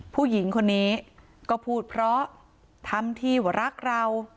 ผู้หญิงคนนี้ก็พูดเพราะทำที่ว่ารักเรา